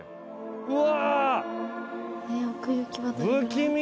うわ。